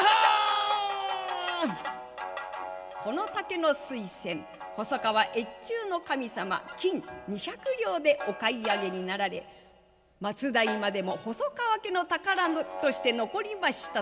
この竹の水仙細川越中守様金２百両でお買い上げになられ末代までも細川家の宝として残りましたという。